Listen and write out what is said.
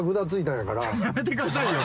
やめてくださいよ。